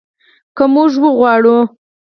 که موږ وغواړو.